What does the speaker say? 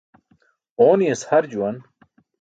Ooni̇yas har juwan.